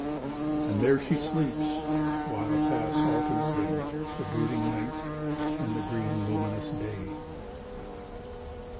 And there she sleeps, while pass alternately The brooding night and the green luminous day.